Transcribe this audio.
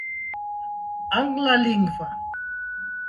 anglalingva